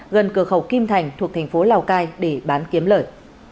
gần cửa khẩu kim thành thuộc thành phố lào cai để bán kiếm lời